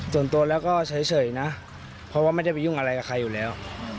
ส่วนตัวแล้วก็เฉยนะเพราะว่าไม่ได้ไปยุ่งอะไรกับใครอยู่แล้ว